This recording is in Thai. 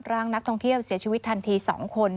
ร่างนักท่องเที่ยวเสียชีวิตทันที๒คน